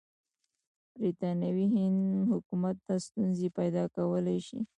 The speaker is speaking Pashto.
برټانوي هند حکومت ته ستونزې پیدا کولای شي.